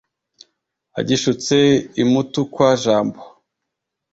agishutse i mutukwa-jambo,